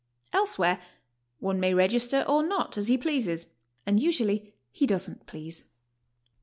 Elsewhere one may register or not as he pleases, and usually he doesn't please.